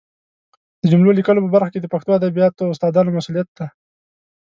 د جملو لیکلو په برخه کې د پښتو ادبیاتو استادانو مسؤلیت دی